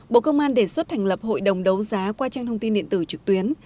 bộ công an đề xuất thành lập hội đồng đấu giá qua trang thông tin điện tử trực tuyến